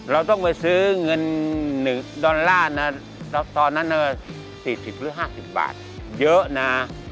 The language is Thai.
เราต้องไปซื้อเงิน๑ดอลลาร์นะตอนนั้น๔๐หรือ๕๐บาทเยอะนะ